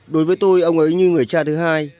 đối với tôi ông ấy như người cha thứ hai